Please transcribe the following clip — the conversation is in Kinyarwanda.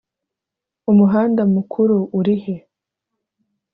umuhanda mukuru urihe?